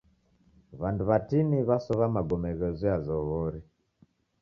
W'andu w'atini w'asowa magome ghezoya zoghori.